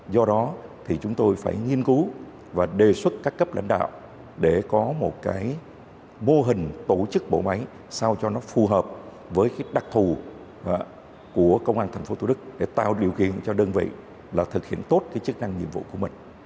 do đó thì chúng tôi phải nghiên cứu và đề xuất các cấp lãnh đạo để có một cái mô hình tổ chức bộ máy sao cho nó phù hợp với cái đặc thù của công an thành phố thủ đức để tạo điều kiện cho đơn vị là thực hiện tốt cái chức năng nhiệm vụ của mình